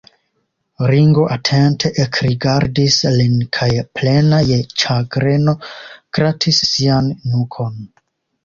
Ringo atente ekrigardis lin kaj plena je ĉagreno gratis sian nukon.